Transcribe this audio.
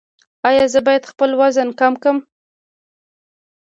ایا زه باید خپل وزن کم کړم؟